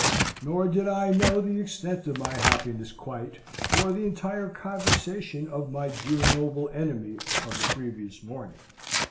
Nor did I know the extent of my happiness quite, or the entire conversion of my dear noble enemy of the previous morning.